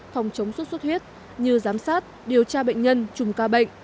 phòng chống sốt huyết như giám sát điều tra bệnh nhân trùm ca bệnh